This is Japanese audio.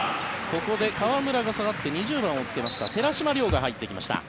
ここで河村が下がって２０番をつけました寺嶋良が入ってきました。